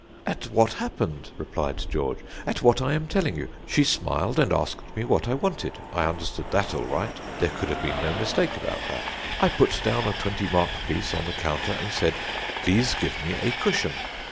"At what happened," replied George; "at what I am telling you. She smiled and asked me what I wanted. I understood that all right; there could have been no mistake about that. I put down a twenty mark piece on the counter and said: "Please give me a cushion."